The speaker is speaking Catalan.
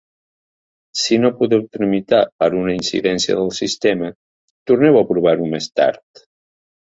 Si no podeu tramitar per una incidència del sistema, torneu a provar-ho més tard.